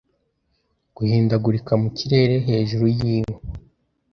guhindagurika mu kirere hejuru yinkwi.